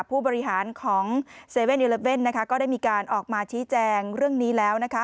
ผู้บริหารของ๗๑๑นะคะก็ได้มีการออกมาชี้แจงเรื่องนี้แล้วนะคะ